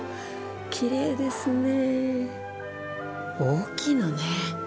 きれいですね。大きいのね。